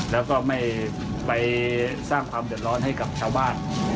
แล้วก็ไม่สร้างความเต็มสีให้ความดีบ้าน